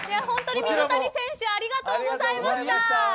本当に水谷選手ありがとうございました。